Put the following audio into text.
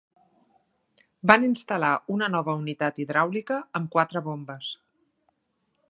Van instal·lar una nova unitat hidràulica amb quatre bombes.